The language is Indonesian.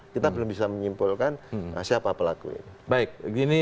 kita belum bisa menyimpulkan siapa pelaku ini